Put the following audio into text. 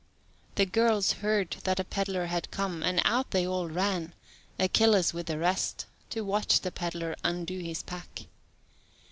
The girls heard that a pedlar had come, and out they all ran, Achilles with the rest to watch the pedlar undo his pack.